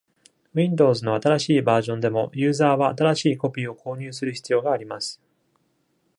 Windows の新しいバージョンでも、ユーザーは新しいコピーを購入する必要があります。